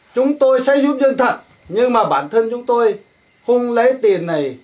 chúng tôi sẽ giúp chân thật nhưng mà bản thân chúng tôi không lấy tiền này